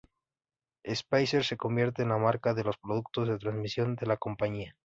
Spicer se convierte en la marca de los productos de transmisión de la compañía.